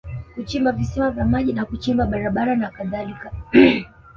Kuchimba visima vya maji na kuchimba barabara na kadhalika